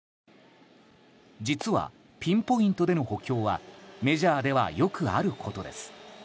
実はピンポイントでの補強はメジャーではよくあることです。